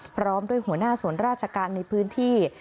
พร้อมด้วยหัวหน้าส่วนราชการในพื้นที่